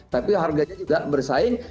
tapi harganya juga bersaing